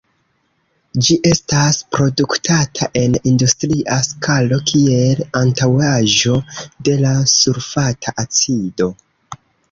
Ĝi estas produktata en industria skalo kiel antaŭaĵo de la sulfata acido.